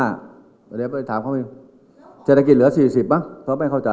อเรนนี่คุณค่ะคุณก็ได้แต่ละกระทางที่มีการประมาณว่าเศรษฐกิจแรงคืออะไรหรือครับ